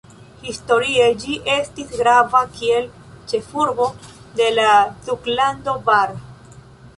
Historie ĝi estis grava kiel ĉefurbo de la duklando Bar.